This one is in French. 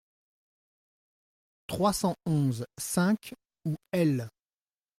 trois cent onze-cinq ou L.